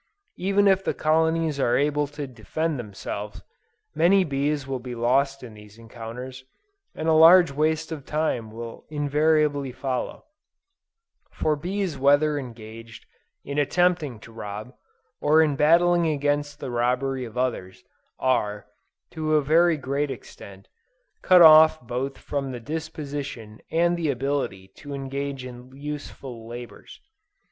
Even if the colonies are able to defend themselves, many bees will be lost in these encounters, and a large waste of time will invariably follow; for bees whether engaged in attempting to rob, or in battling against the robbery of others, are, to a very great extent, cut off both from the disposition and the ability to engage in useful labors.